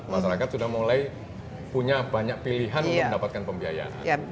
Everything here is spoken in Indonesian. masyarakat sudah mulai punya banyak pilihan untuk mendapatkan pembiayaan